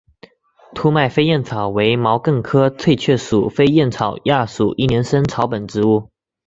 凸脉飞燕草为毛茛科翠雀属飞燕草亚属一年生草本植物。